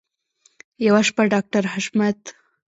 یوه شپه ډاکټر حشمت